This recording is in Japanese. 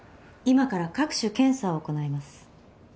今から各種検査を行ないます。